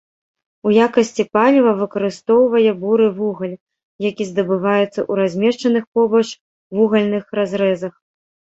У якасці паліва выкарыстоўвае буры вугаль, які здабываецца ў размешчаных побач вугальных разрэзах.